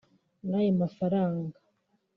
n’ayo mafaranga